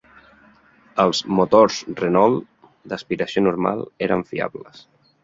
Els motors Renault d'aspiració normal eren fiables.